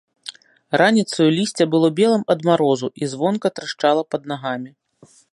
Раніцаю лісце было белым ад марозу і звонка трашчала пад нагамі.